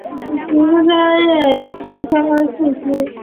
提供专业之相关讯息